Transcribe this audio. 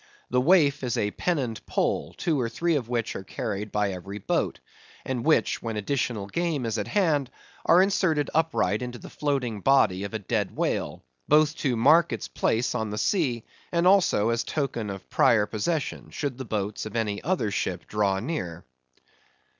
The waif is a pennoned pole, two or three of which are carried by every boat; and which, when additional game is at hand, are inserted upright into the floating body of a dead whale, both to mark its place on the sea, and also as token of prior possession, should the boats of any other ship draw near.